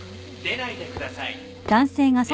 出ないでください。